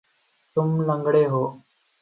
تم لنگڑے ہو